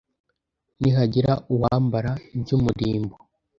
ntihagira uwambara iby umurimbo